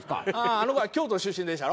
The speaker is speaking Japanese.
あの子は京都出身でっしゃろ？